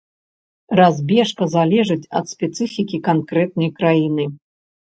Разбежка залежыць ад спецыфікі канкрэтнай краіны.